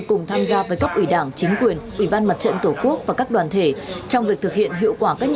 cùng tham gia với các ủy đảng chính quyền ủy ban mặt trận tổ quốc và các đoàn thể